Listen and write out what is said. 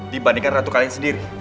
dibandingkan ratu kalian sendiri